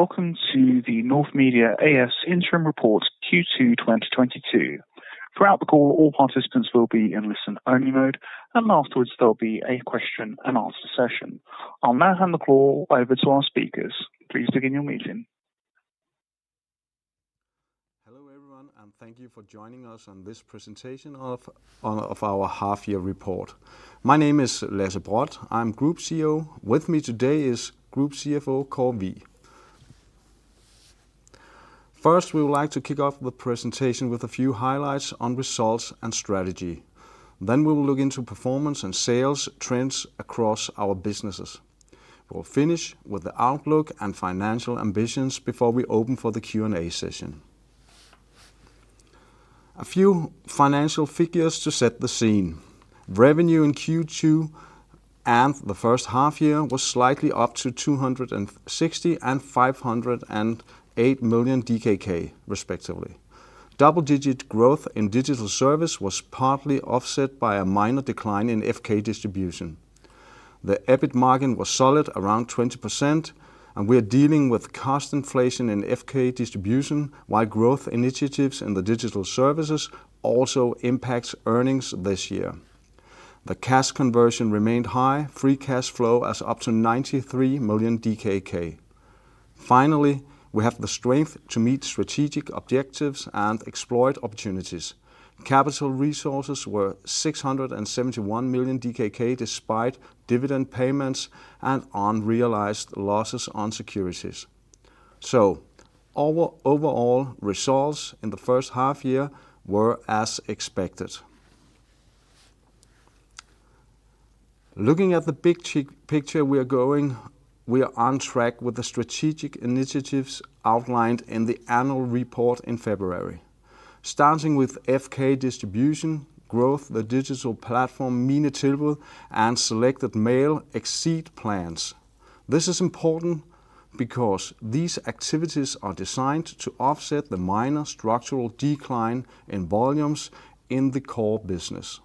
Welcome to the North Media A/S Interim Report Q2 2022. Throughout the call, all participants will be in listen-only mode, and afterwards, there'll be a question-and-answer session. I'll now hand the call over to our speakers. Please begin your meeting. Hello, everyone, and thank you for joining us on this presentation of our half-year report. My name is Lasse Brodt. I'm Group CEO. With me today is Group CFO Kåre Wigh. First, we would like to kick off the presentation with a few highlights on results and strategy. Then we will look into performance and sales trends across our businesses. We'll finish with the outlook and financial ambitions before we open for the Q&A session. A few financial figures to set the scene. Revenue in Q2 and the first half year was slightly up to 260 million and 508 million DKK, respectively. Double-digit growth in Digital Services was partly offset by a minor decline in FK Distribution. The EBIT margin was solid, around 20%, and we are dealing with cost inflation in FK Distribution, while growth initiatives in the Digital Services also impacts earnings this year. The cash conversion remained high, free cash flow was up to 93 million DKK. We have the strength to meet strategic objectives and exploit opportunities. Capital resources were 671 million DKK, despite dividend payments and unrealized losses on securities. Our overall results in the first half year were as expected. Looking at the big picture, we are on track with the strategic initiatives outlined in the annual report in February. Starting with FK Distribution, growth, the digital platform MineTilbud, and selected mail exceed plans. This is important because these activities are designed to offset the minor structural decline in volumes in the core business.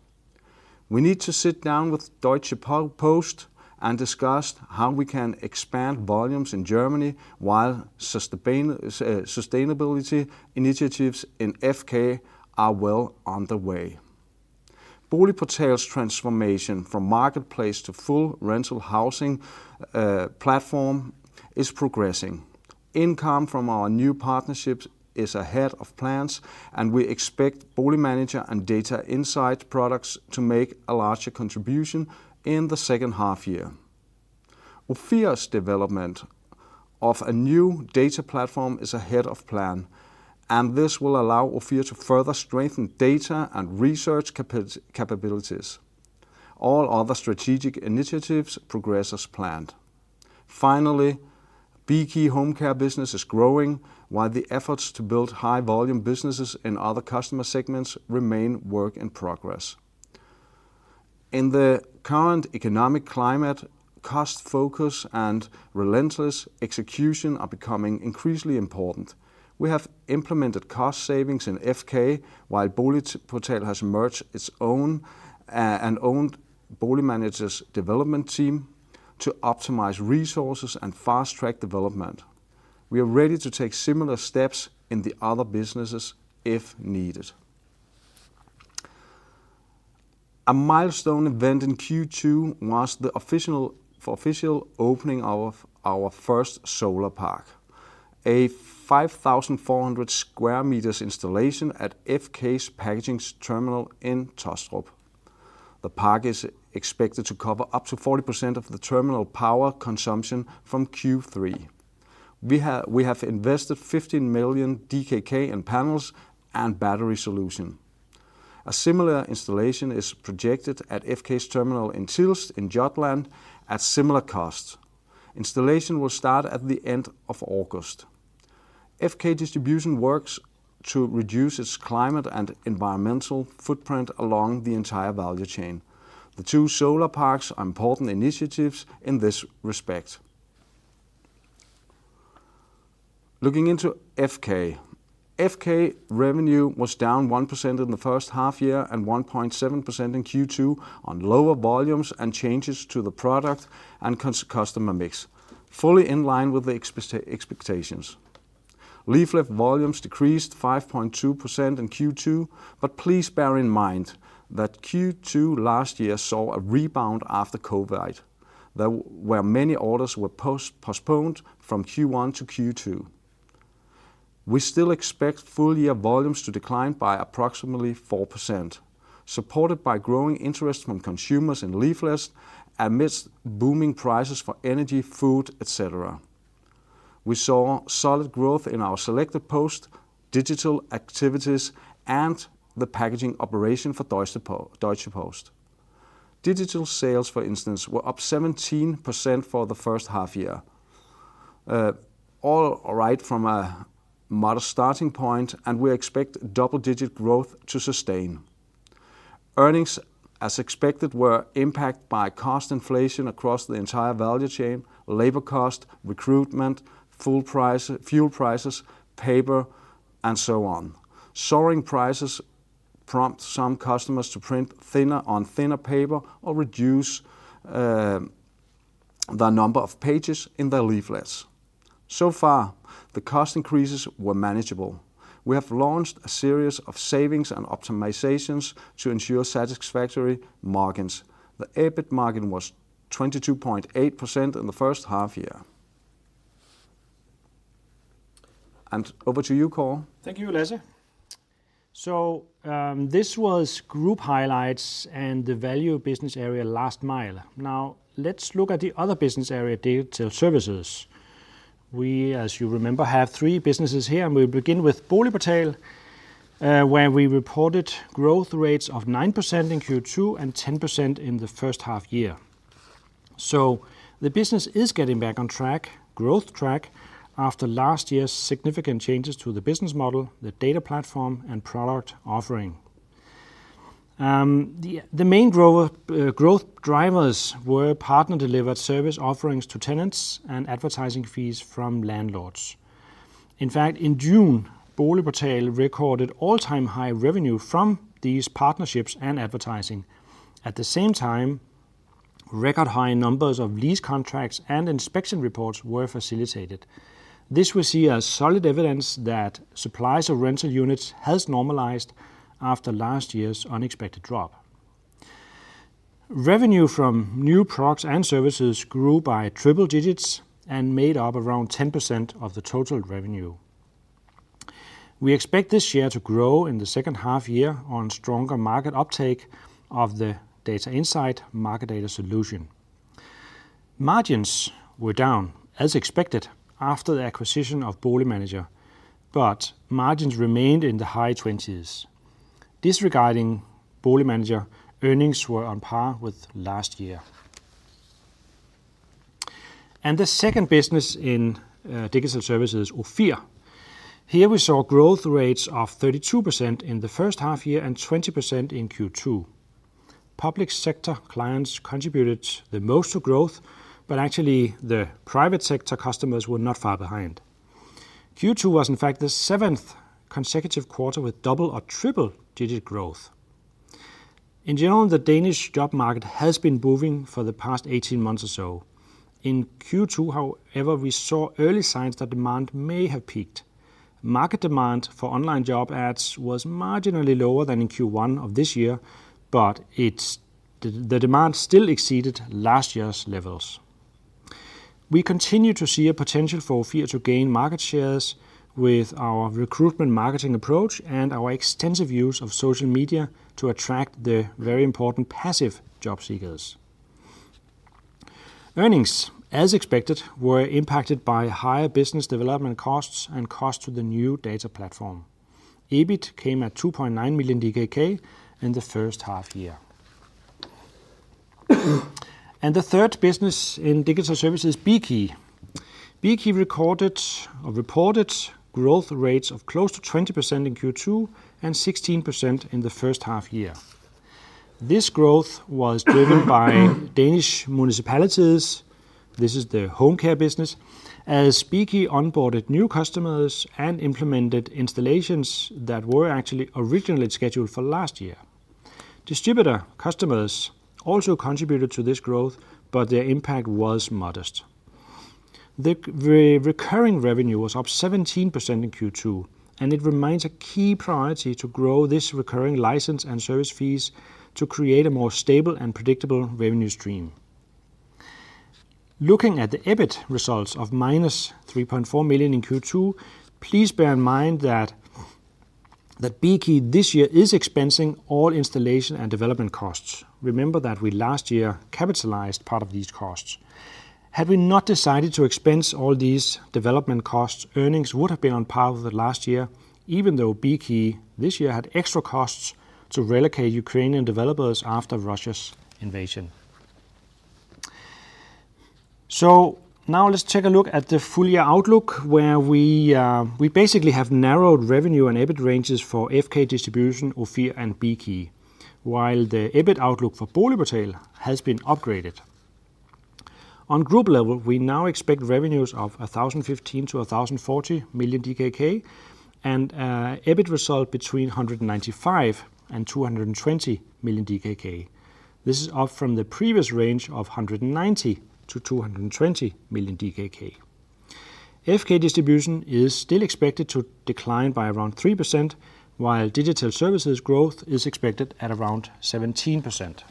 We need to sit down with Deutsche Post and discuss how we can expand volumes in Germany while sustainability initiatives in FK are well on the way. BoligPortal's transformation from marketplace to full rental housing platform is progressing. Income from our new partnerships is ahead of plans, and we expect Boligmanager and Data Insight products to make a larger contribution in the second half year. Ofir's development of a new data platform is ahead of plan, and this will allow Ofir's to further strengthen data and research capabilities. All other strategic initiatives progress as planned. Finally, Bekey Home Care business is growing while the efforts to build high-volume businesses in other customer segments remain work in progress. In the current economic climate, cost focus and relentless execution are becoming increasingly important. We have implemented cost savings in FK while BoligPortal has merged its own and owned Boligmanager's development team to optimize resources and fast-track development. We are ready to take similar steps in the other businesses if needed. A milestone event in Q2 was the official opening of our first solar park, a 5,400 sqmt installation at FK's packaging terminal in Taastrup. The park is expected to cover up to 40% of the terminal power consumption from Q3. We have invested 15 million DKK in panels and battery solution. A similar installation is projected at FK's terminal in Tilst in Jutland at similar cost. Installation will start at the end of August. FK Distribution works to reduce its climate and environmental footprint along the entire value chain. The two solar parks are important initiatives in this respect. Looking into FK. FK revenue was down 1% in the first half year and 1.7% in Q2 on lower volumes and changes to the product and customer mix, fully in line with the expectations. Leaflet volumes decreased 5.2% in Q2, but please bear in mind that Q2 last year saw a rebound after COVID. There were many orders postponed from Q1 to Q2. We still expect full-year volumes to decline by approximately 4%, supported by growing interest from consumers in leaflets amidst booming prices for energy, food, et cetera. We saw solid growth in our selected post-digital activities, and the packaging operation for Deutsche Post. Digital sales, for instance, were up 17% for the first half year. Albeit from a modest starting point, and we expect double-digit growth to sustain. Earnings, as expected, were impacted by cost inflation across the entire value chain, labor cost, recruitment, fuel prices, paper, and so on. Soaring prices prompt some customers to print thinner and thinner paper or reduce the number of pages in their leaflets. So far, the cost increases were manageable. We have launched a series of savings and optimizations to ensure satisfactory margins. The EBIT margin was 22.8% in the first half year. Over to you, Kåre. Thank you, Lasse. This was group highlights and the value business area Last Mile. Now, let's look at the other business area, Digital Services. We, as you remember, have three businesses here, and we'll begin with BoligPortal, where we reported growth rates of 9% in Q2 and 10% in the first half year. The business is getting back on track, growth track, after last year's significant changes to the business model, the data platform and product offering. The main growth drivers were partner-delivered service offerings to tenants and advertising fees from landlords. In fact, in June, BoligPortal recorded all-time high revenue from these partnerships and advertising. At the same time, record high numbers of lease contracts and inspection reports were facilitated. This we see as solid evidence that suppliers of rental units has normalized after last year's unexpected drop. Revenue from new products and services grew by triple digits and made up around 10% of the total revenue. We expect this year to grow in the second half year on stronger market uptake of the Data Insight market data solution. Margins were down as expected after the acquisition of Boligmanager, but margins remained in the high twenties. Disregarding Boligmanager, earnings were on par with last year. The second business in Digital Services, Ofir. Here we saw growth rates of 32% in the first half year and 20% in Q2. Public sector clients contributed the most to growth, but actually the private sector customers were not far behind. Q2 was in fact the seventh consecutive quarter with double- or triple-digit growth. In general, the Danish job market has been moving for the past 18 months or so. In Q2, however, we saw early signs that demand may have peaked. Market demand for online job ads was marginally lower than in Q1 of this year, but the demand still exceeded last year's levels. We continue to see a potential for Ofir to gain market shares with our recruitment marketing approach and our extensive use of social media to attract the very important passive job seekers. Earnings, as expected, were impacted by higher business development costs and costs to the new data platform. EBIT came at 2.9 million DKK in the first half year. The third business in Digital Services, Bekey. Bekey recorded or reported growth rates of close to 20% in Q2 and 16% in the first half year. This growth was driven by Danish municipalities. This is the home care business, as Bekey onboarded new customers and implemented installations that were actually originally scheduled for last year. Distributor customers also contributed to this growth, but their impact was modest. The recurring revenue was up 17% in Q2, and it remains a key priority to grow this recurring license and service fees to create a more stable and predictable revenue stream. Looking at the EBIT results of -3.4 million in Q2, please bear in mind that Bekey this year is expensing all installation and development costs. Remember that we last year capitalized part of these costs. Had we not decided to expense all these development costs, earnings would have been on par with the last year, even though Bekey this year had extra costs to relocate Ukrainian developers after Russia's invasion. Now let's take a look at the full year outlook, where we basically have narrowed revenue and EBIT ranges for FK Distribution, Ofir, and Bekey, while the EBIT outlook for BoligPortal has been upgraded. On group level, we now expect revenues of 1,015 million-1,040 million DKK and EBIT result between 195 million and 220 million DKK. This is up from the previous range of 190 million-220 million DKK. FK Distribution is still expected to decline by around 3%, while Digital Services growth is expected at around 17%.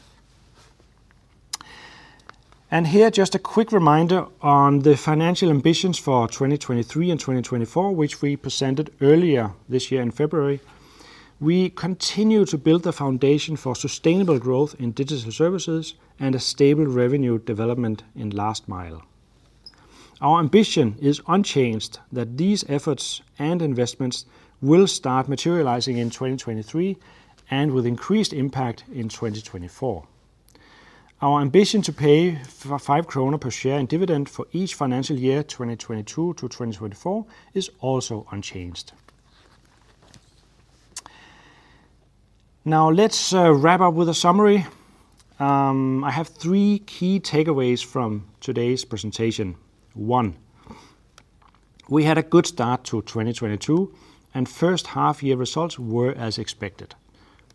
Here just a quick reminder on the financial ambitions for 2023 and 2024, which we presented earlier this year in February. We continue to build the foundation for sustainable growth in Digital Services and a stable revenue development in Last Mile. Our ambition is unchanged that these efforts and investments will start materializing in 2023 and with increased impact in 2024. Our ambition to pay 5 kroner per share in dividend for each financial year, 2022 to 2024, is also unchanged. Now let's wrap up with a summary. I have three key takeaways from today's presentation. One. We had a good start to 2022, and first half year results were as expected.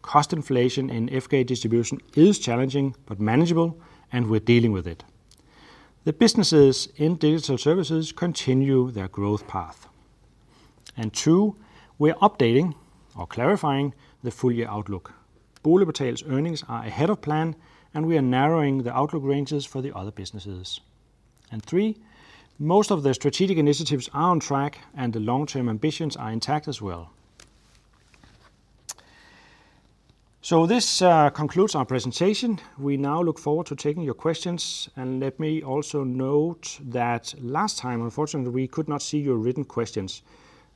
Cost inflation in FK Distribution is challenging but manageable, and we're dealing with it. The businesses in Digital Services continue their growth path. Two, we're updating or clarifying the full year outlook. BoligPortal's earnings are ahead of plan, and we are narrowing the outlook ranges for the other businesses. Three, most of the strategic initiatives are on track, and the long-term ambitions are intact as well. This concludes our presentation. We now look forward to taking your questions, and let me also note that last time, unfortunately, we could not see your written questions.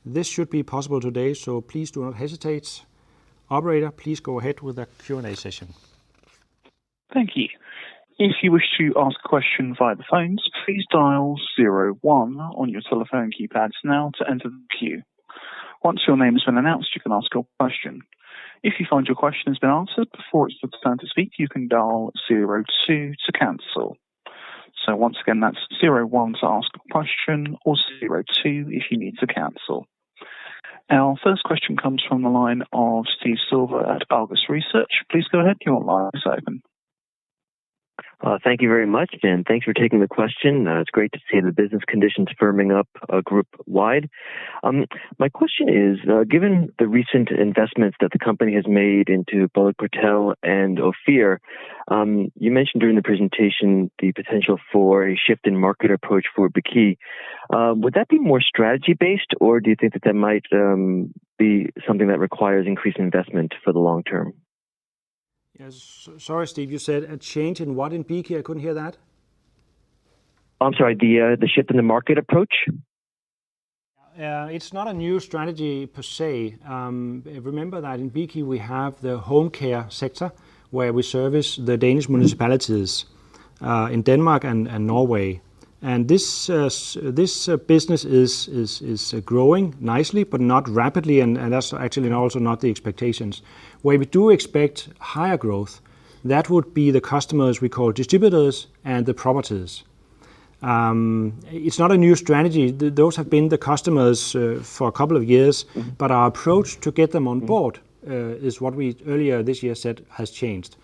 This should be possible today, so please do not hesitate. Operator, please go ahead with the Q&A session. Thank you. If you wish to ask a question via the phones, please dial zero one on your telephone keypads now to enter the queue. Once your name has been announced, you can ask your question. If you find your question has been answered before it's your turn to speak, you can dial zero two to cancel. Once again, that's zero one to ask a question or zero two if you need to cancel. Our first question comes from the line of Steve Silver at Argus Research. Please go ahead. Your line is open. Thank you very much, and thanks for taking the question. It's great to see the business conditions firming up, group wide. My question is, given the recent investments that the company has made into BoligPortal and Ofir, you mentioned during the presentation the potential for a shift in market approach for Bekey. Would that be more strategy based, or do you think that might be something that requires increased investment for the long term? Yes. Sorry, Steve, you said a change in what in Bekey? I couldn't hear that. I'm sorry. The shift in the market approach. Yeah. It's not a new strategy per se. Remember that in Bekey we have the home care sector where we service the Danish municipalities in Denmark and Norway. This business is growing nicely but not rapidly, and that's actually also not the expectations. Where we do expect higher growth, that would be the customers we call distributors and the properties. It's not a new strategy. Those have been the customers for a couple of years. Mm-hmm. Our approach to get them on board is what we earlier this year said has changed.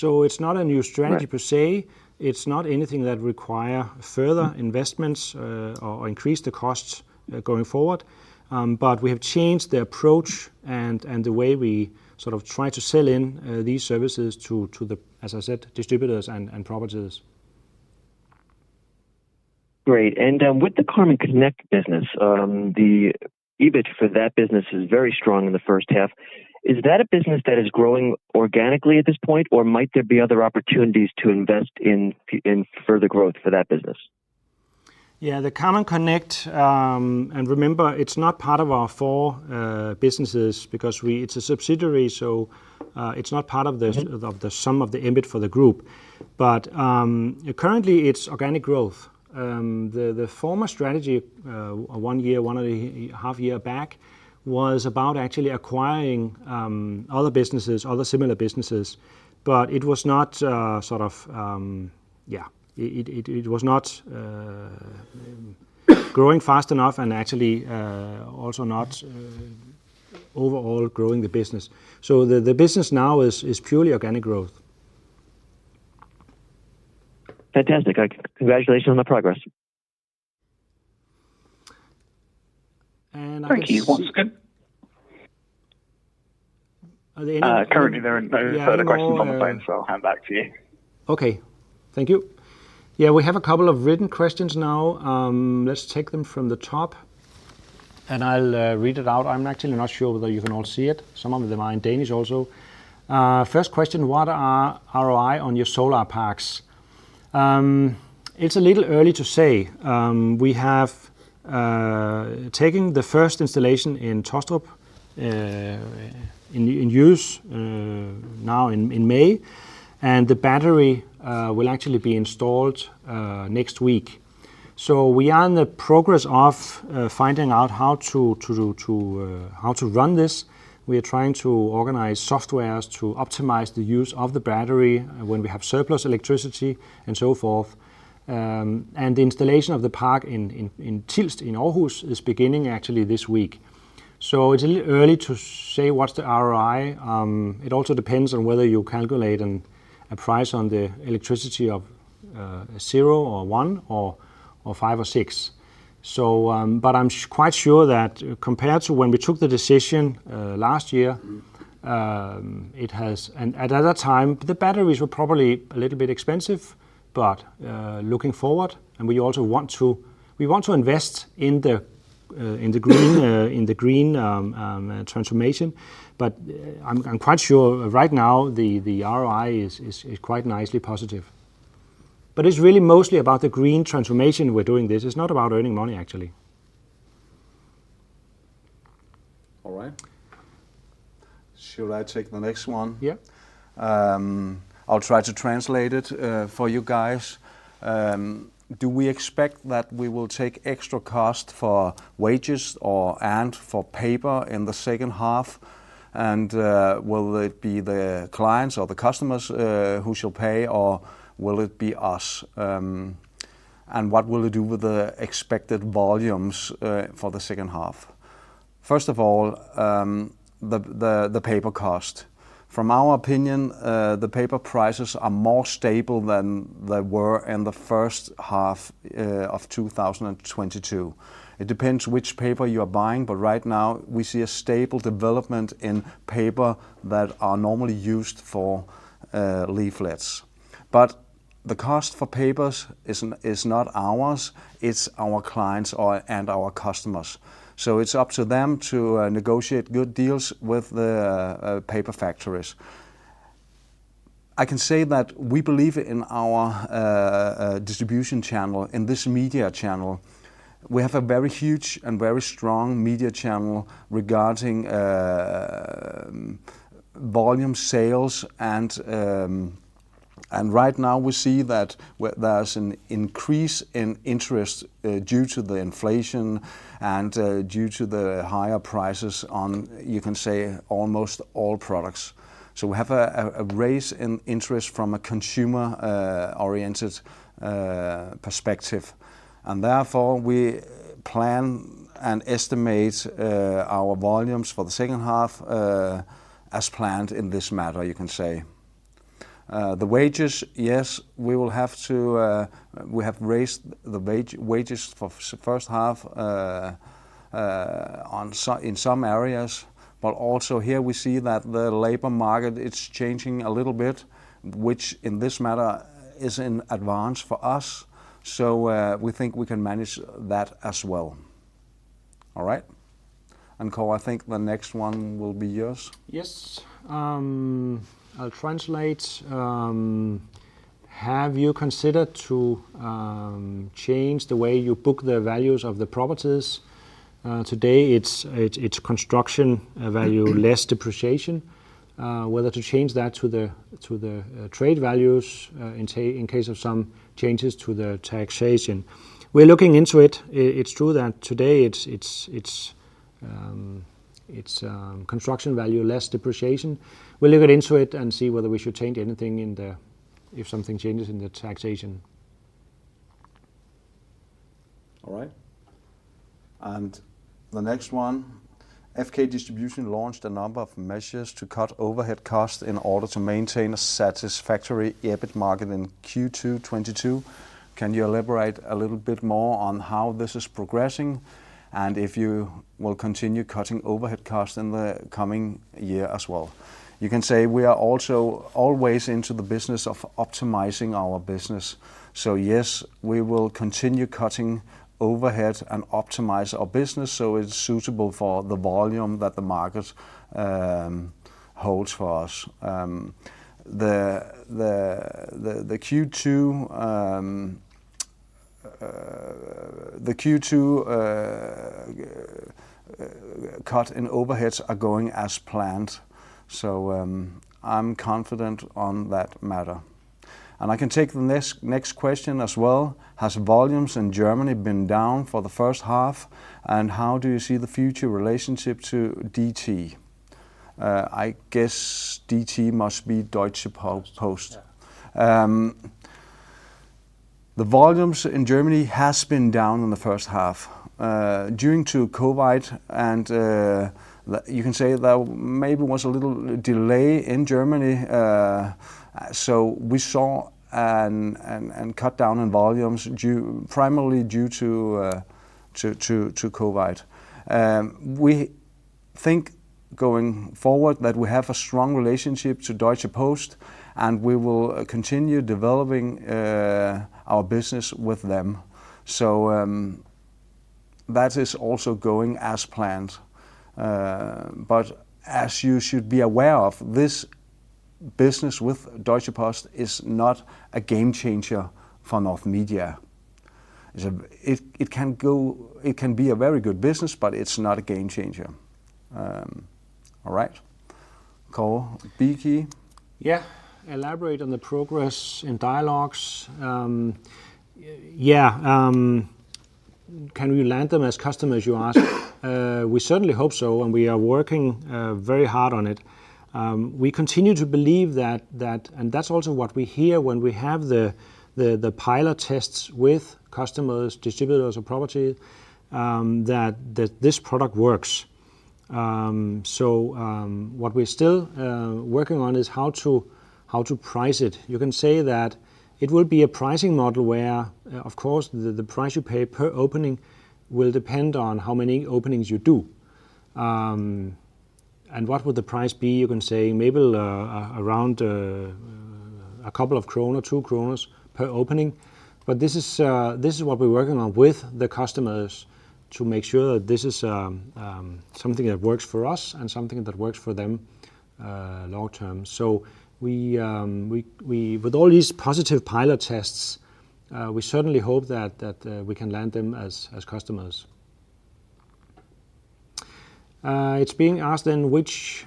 It's not a new strategy. Right... per se. It's not anything that require further investments, or increase the costs going forward. We have changed the approach and the way we sort of try to sell in these services to the, as I said, distributors and properties. Great. With the Karman Connect business, the EBIT for that business is very strong in the first half. Is that a business that is growing organically at this point, or might there be other opportunities to invest in further growth for that business? Yeah. The Karman Connect. Remember, it's not part of our four businesses. It's a subsidiary, so, it's not part of the of the sum of the EBIT for the group. Currently, it's organic growth. The former strategy, one and a half years back, was about actually acquiring other businesses, other similar businesses. It was not growing fast enough and actually also not overall growing the business. The business now is purely organic growth. Fantastic. Congratulations on the progress. I can see. Thank you. One second. Are there any more? Currently there are no further questions on the phone. Yeah. No more. I'll hand back to you. Okay. Thank you. Yeah. We have a couple of written questions now. Let's take them from the top, and I'll read it out. I'm actually not sure whether you can all see it. Some of them are in Danish also. First question, what are ROI on your solar parks? It's a little early to say. We have taken the first installation in Taastrup in use now in May, and the battery will actually be installed next week. We are in the process of finding out how to run this. We are trying to organize software to optimize the use of the battery when we have surplus electricity and so forth. The installation of the park in Tilst, in Aarhus, is beginning actually this week. It's a little early to say what's the ROI. It also depends on whether you calculate a price on the electricity of 0, 1, 5 or 6. I'm quite sure that compared to when we took the decision last year. It has. At that time, the batteries were probably a little bit expensive. Looking forward, we also want to invest in the green transformation. I'm quite sure right now the ROI is quite nicely positive. It's really mostly about the green transformation we're doing this. It's not about earning money, actually. All right. Should I take the next one? Yeah. I'll try to translate it for you guys. Do we expect that we will take extra cost for wages and for paper in the second half? Will it be the clients or the customers who shall pay, or will it be us? What will it do with the expected volumes for the second half? First of all, the paper cost. From our opinion, the paper prices are more stable than they were in the first half of 2022. It depends which paper you are buying, but right now we see a stable development in paper that are normally used for leaflets. The cost for papers is not ours, it's our clients or and our customers. It's up to them to negotiate good deals with the paper factories. I can say that we believe in our distribution channel, in this media channel. We have a very huge and very strong media channel regarding volume sales and right now we see that there's an increase in interest due to the inflation and due to the higher prices on, you can say, almost all products. We have a rise in interest from a consumer oriented perspective. Therefore, we plan and estimate our volumes for the second half as planned in this matter, you can say. The wages, yes, we will have to. We have raised the wages for first half in some areas. Also here we see that the labor market, it's changing a little bit, which in this matter is to our advantage. We think we can manage that as well. All right. Kåre, I think the next one will be yours. Yes. I'll translate. Have you considered to change the way you book the values of the properties? Today it's construction value less depreciation, whether to change that to the trade values, in case of some changes to the taxation. We're looking into it. It's true that today it's construction value less depreciation. We'll look into it and see whether we should change anything. If something changes in the taxation. All right. The next one, FK Distribution launched a number of measures to cut overhead costs in order to maintain a satisfactory EBIT margin in Q2 2022. Can you elaborate a little bit more on how this is progressing? If you will continue cutting overhead costs in the coming year as well? You can say we are also always into the business of optimizing our business. Yes, we will continue cutting overheads and optimize our business, so it's suitable for the volume that the market holds for us. The Q2 cut in overheads are going as planned. I'm confident on that matter. I can take the next question as well. Has volumes in Germany been down for the first half? How do you view the future relationship to Deutsche Post? I guess DT must be Deutsche Post. Yeah. The volumes in Germany has been down in the first half due to COVID and you can say there maybe was a little delay in Germany. We saw and cut down in volumes primarily due to COVID. We think going forward that we have a strong relationship to Deutsche Post, and we will continue developing our business with them. That is also going as planned. As you should be aware of, this business with Deutsche Post is not a game changer for North Media. It can be a very good business, but it's not a game changer. All right. Kåre, Bekey? Yeah. Elaborate on the progress in dialogues. Yeah, can we land them as customers, you ask? We certainly hope so, and we are working very hard on it. We continue to believe that, and that's also what we hear when we have the pilot tests with customers, distributors or property that this product works. What we're still working on is how to price it. You can say that it will be a pricing model where, of course, the price you pay per opening will depend on how many openings you do. What would the price be? You can say maybe around a couple of kroner or 2 kroner per opening. This is what we're working on with the customers to make sure that this is something that works for us and something that works for them long term. With all these positive pilot tests, we certainly hope that we can land them as customers. It's being asked then which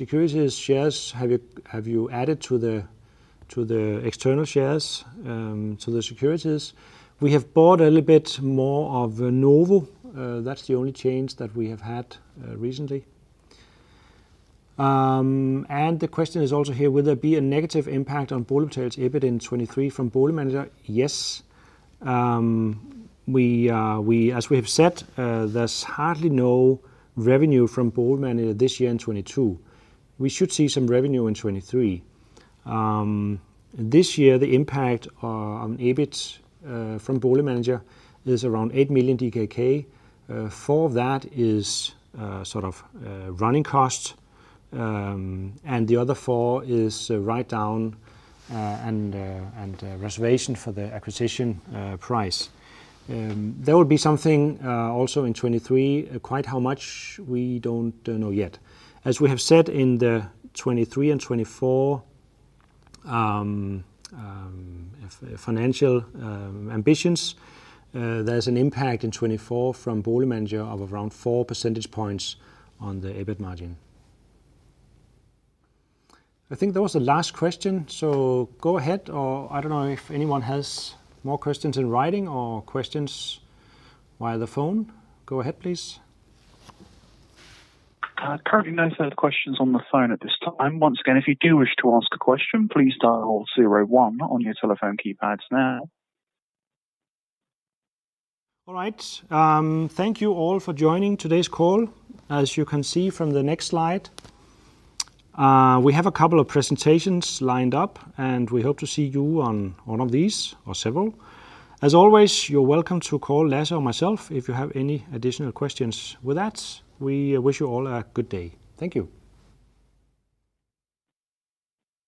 securities shares have you added to the external shares to the securities? We have bought a little bit more of Novo. That's the only change that we have had recently. The question is also here, will there be a negative impact on Boligmanager's EBIT in 2023 from Boligmanager? Yes. As we have said, there's hardly no revenue from Boligmanager this year in 2022. We should see some revenue in 2023. This year, the impact on EBIT from Boligmanager is around 8 million DKK. 4 million of that is sort of running costs, and the other 4 million is a write-down and a reservation for the acquisition price. There will be something also in 2023. Quite how much we don't know yet. As we have said in the 2023 and 2024 financial ambitions, there's an impact in 2024 from Boligmanager of around 4 percentage points on the EBIT margin. I think that was the last question. Go ahead or I don't know if anyone has more questions in writing or questions via the phone. Go ahead, please. Currently, no further questions on the phone at this time. Once again, if you do wish to ask a question, please dial zero one on your telephone keypads now. All right. Thank you all for joining today's call. As you can see from the next slide, we have a couple of presentations lined up, and we hope to see you on one of these or several. As always, you're welcome to call Lasse or myself if you have any additional questions. With that, we wish you all a good day. Thank you.